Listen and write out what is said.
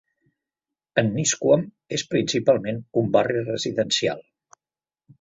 Annisquam és principalment un barri residencial.